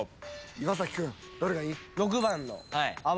岩君どれがいい？